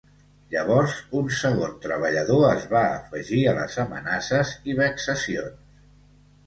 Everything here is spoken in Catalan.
Llavors un segon treballador es va afegir a les amenaces i vexacions.